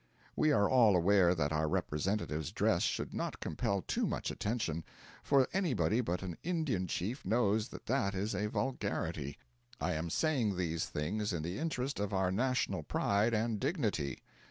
We are all aware that our representative's dress should not compel too much attention; for anybody but an Indian chief knows that that is a vulgarity. I am saying these things in the interest of our national pride and dignity.